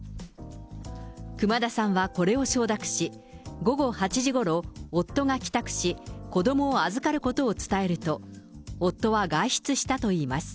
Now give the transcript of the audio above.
熊田さんはこれを承諾し、午後８時ごろ、夫が帰宅し、子どもを預かることを伝えると、夫は外出したといいます。